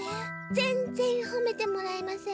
ぜんぜんほめてもらえません。